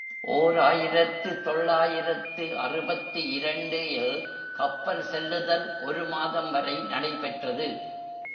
ஓர் ஆயிரத்து தொள்ளாயிரத்து அறுபத்திரண்டு இல் கப்பல் செல்லுதல் ஒரு மாதம் வரை நடைபெற்றது.